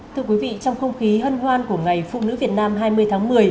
thưa quý vị trong không khí hân hoan của ngày phụ nữ việt nam hai mươi tháng một mươi